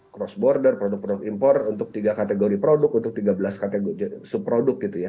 cross border produk produk impor untuk tiga kategori produk untuk tiga belas kategori sub produk gitu ya